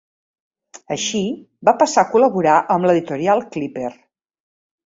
Així, va passar a col·laborar amb l'Editorial Clíper.